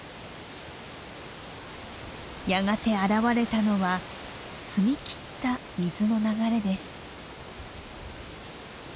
やがて現れたのは澄み切った水の流れです。